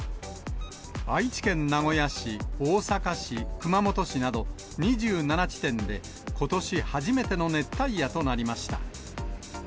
愛知県名古屋市、大阪市、熊本市など、２７地点でことし初めての熱帯夜となりました。